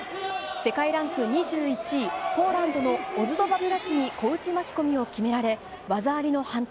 世界ランク２１位、ポーランドのオズドバブラチに小内巻き込みを決められ、技ありの判定。